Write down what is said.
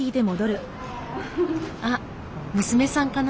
あっ娘さんかな？